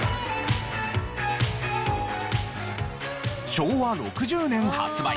昭和６０年発売。